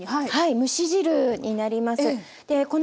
蒸し汁になります。